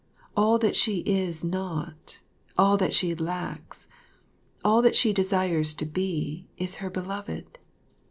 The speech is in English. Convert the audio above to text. All that she is not, all that she lacks, all that she desires to be, is her beloved.